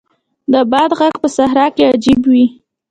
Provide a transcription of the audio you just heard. د باد ږغ په صحرا کې عجیب وي.